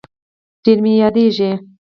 ډير مي ياديږي